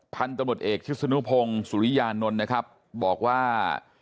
พันธุ์ตำรวจเอกชิศนุพงศ์สุริยานนท์นะครับบอกว่า